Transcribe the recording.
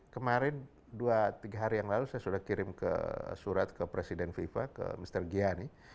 kemarin dua tiga hari yang lalu saya sudah kirim surat ke presiden fifa ke mr giyani